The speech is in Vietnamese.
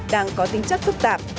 đang có tính chất phức tạp